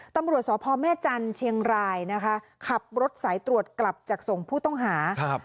ตำรวจสพแม่จันทร์เชียงรายนะคะขับรถสายตรวจกลับจากส่งผู้ต้องหาครับ